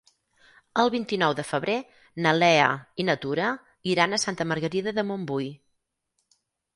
El vint-i-nou de febrer na Lea i na Tura iran a Santa Margarida de Montbui.